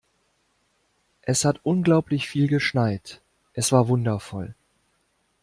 Es hat unglaublich viel geschneit. Es war wundervoll.